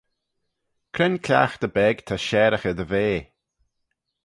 Cre'n cliaghtey beg ta shareaghey dty vea?